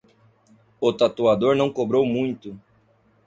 O tatuador não cobrou muito